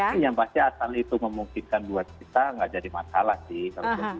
ini yang pasti asal itu memungkinkan buat kita nggak jadi masalah sih